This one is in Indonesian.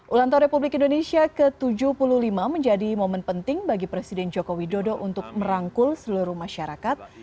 ulang tahun republik indonesia ke tujuh puluh lima menjadi momen penting bagi presiden joko widodo untuk merangkul seluruh masyarakat